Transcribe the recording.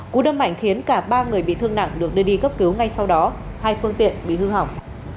cú đâm mạnh khiến cả ba người bị thương nặng được đưa đi cấp cứu ngay sau đó hai phương tiện bị hư hỏng